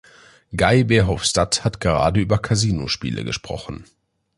Guy Verhofstadt hat gerade über Kasinospiele gesprochen.